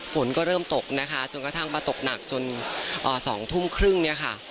ฝนก็เริ่มตกนะคะจนกระทั่งมาตกหนักจน๒ทุ่มครึ่งเนี่ยค่ะ